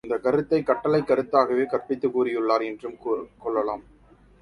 அந்தக் கருத்தைக் கட்டளைக் கருத்தாகவே கற்பித்துக் கூறியுள்ளார் என்றும் கொள்ளலாம்.